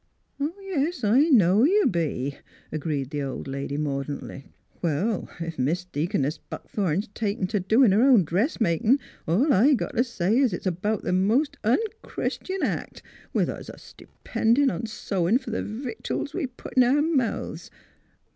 ' Yes, I know you be," agreed the old lady mordantly. " Well, ef Mis' Deaconess Buck thorn's took t' doin' her own dressmakin', all I got t' say is it's about the most onchristian act with us a dependin' on sewin' f'r th' vit'uls we put in our mouths.